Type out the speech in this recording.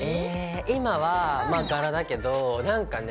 今は柄だけどなんかね